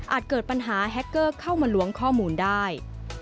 เกิดปัญหาแฮคเกอร์เข้ามาล้วงข้อมูลได้